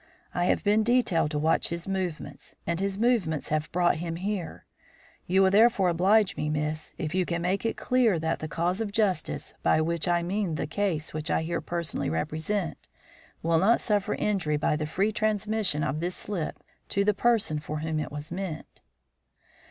I have been detailed to watch his movements, and his movements have brought him here. You will therefore oblige me, Miss, if you can make it clear that the cause of justice by which I mean the cause which I here personally represent will not suffer injury by the free transmission of this slip to the person for whom it is meant."